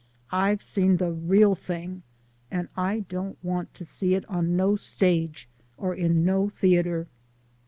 I've seen de real ting, and I don't want to see it on no stage or in no teater."